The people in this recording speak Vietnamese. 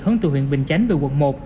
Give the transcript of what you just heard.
hướng từ huyện bình chánh về quận một